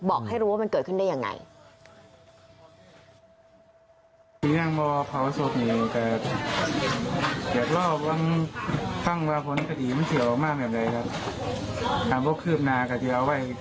ให้รู้ว่ามันเกิดขึ้นได้ยังไง